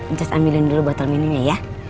entah ambilin dulu botol minumnya ya